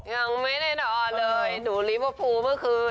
ยังไม่ได้นอนเลยหนูลิเวอร์พูลเมื่อคืน